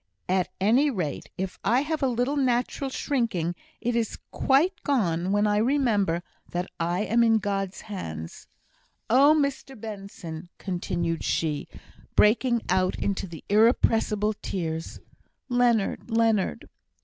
At any rate, if I have a little natural shrinking, it is quite gone when I remember that I am in God's hands! Oh, Mr Benson," continued she, breaking out into the irrepressible tears "Leonard, Leonard!"